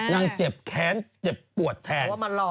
เจ็บแค้นเจ็บปวดแทน